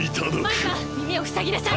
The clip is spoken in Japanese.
マイカみみをふさぎなさい！